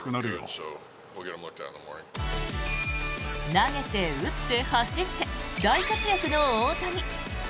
投げて打って走って大活躍の大谷。